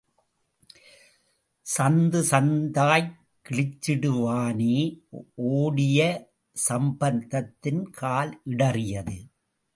சந்து சந்தாய்க் கிழிச்சுடுவானே... ஓடிய சம்பந்தத்தின் கால் இடறியது.